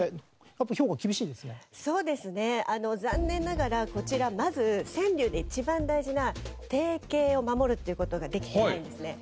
残念ながらこちらまず川柳で一番大事な定型を守るっていう事ができてないんですね。